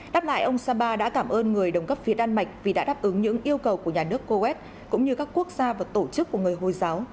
đáp lại ông saba đã cảm ơn người đồng cấp phía đan mạch vì đã đáp ứng những yêu cầu của nhà nước coes cũng như các quốc gia và tổ chức của người hồi giáo